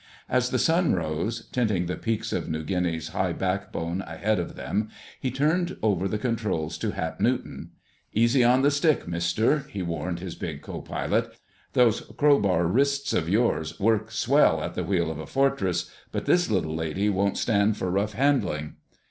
As the sun rose, tinting the peaks of New Guinea's high backbone ahead of them, he turned over the controls to Hap Newton. "Easy on the stick, Mister," he warned his big co pilot. "Those crowbar wrists of yours work swell at the wheel of a Fortress, but this little lady won't stand for rough handling."